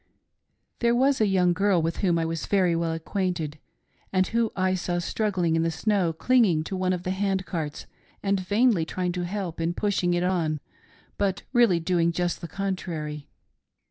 "There was a young girl, with whom I was very well acquainted, and who I saw struggling in the snow, clinging to one of the hand carts, and vainly trying to help in pushing it on, but really doing just the contrary.